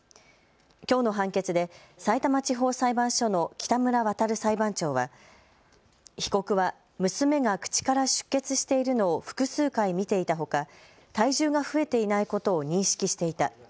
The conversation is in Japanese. きょうの判決でさいたま地方裁判所の北村和裁判長は被告は娘が口から出血しているのを複数回見ていたほか体重が増えていないことを認識していた。